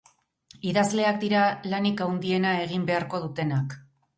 Idazleak dira lanik handiena egin beharko dutenak